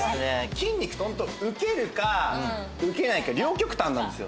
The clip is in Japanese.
筋肉ってホントウケるかウケないか両極端なんですよ。